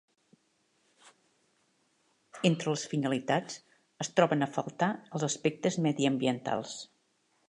Entre les finalitats, es troben a faltar els aspectes mediambientals.